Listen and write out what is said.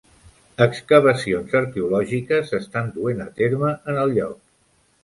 Excavacions arqueològiques s'estan duent a terme en el lloc.